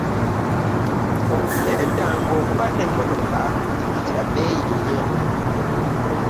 Edda nga okuba n'emmotoka kintu kya bbeeyi nnyo.